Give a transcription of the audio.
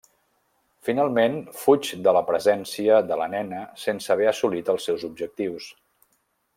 Finalment, fuig de la presència de la nena sense haver assolit els seus objectius.